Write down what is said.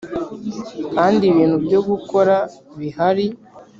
kandi ibintu byo gukora bihari.